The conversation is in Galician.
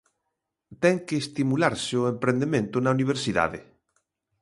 Ten que estimularse o emprendemento na universidade.